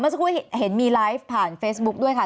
สักครู่เห็นมีไลฟ์ผ่านเฟซบุ๊คด้วยค่ะ